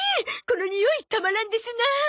このにおいたまらんですなあ！